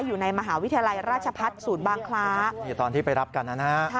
อยู่ในมหาวิทยาลัยราชพัฒน์ศูนย์บางคล้านี่ตอนที่ไปรับกันนะฮะ